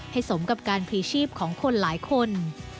สมกับการพลีชีพของคนหลายคน